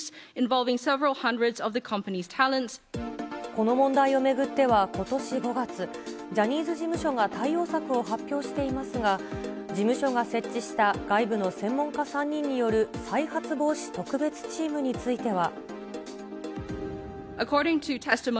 この問題を巡っては、ことし５月、ジャニーズ事務所が対応策を発表していますが、事務所が設置した外部の専門家３人による再発防止特別チームについては。